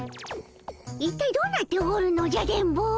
一体どうなっておるのじゃ電ボ。